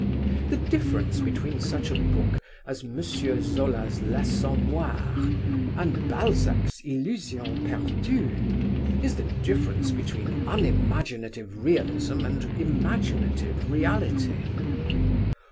The difference between such a book as M. Zola's L'Assommoir and Balzac's Illusions Perdues is the difference between unimaginative realism and imaginative reality.